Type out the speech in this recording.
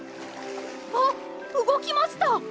あうごきました！